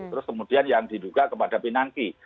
terus kemudian yang diduga kepada pinangki